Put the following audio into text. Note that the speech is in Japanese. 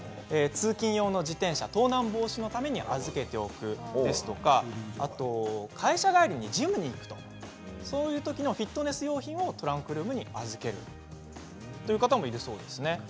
通勤用の自転車、盗難防止のために預けておくですとか会社帰りにジムに行くそういうときのフィットネス用品をトランクルームに預けるという方もいるそうですね。